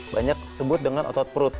banyak disebut dengan otot perut